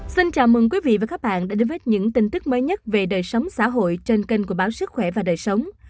xin chào mừng quý vị và các bạn đã đến với những tin tức mới nhất về đời sống xã hội trên kênh của báo sức khỏe và đời sống